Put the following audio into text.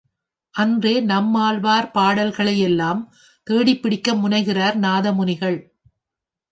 அன்றே நம்மாழ்வார் பாடல்களையெல்லாம் தேடிப் பிடிக்க முனைகிறார் நாதமுனிகள்.